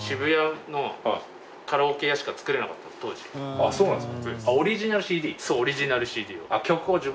あっそうなんですか。